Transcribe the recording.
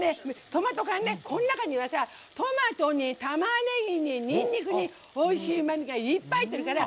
トマト缶、この中にはトマトにたまねぎににんにくに、おいしいうまみがいっぱい入ってるから。